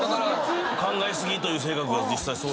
考え過ぎという性格は実際そう。